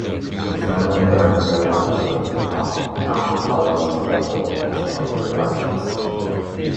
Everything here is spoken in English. Internally there are three arcades with octagonal columns and double-chamfered arches.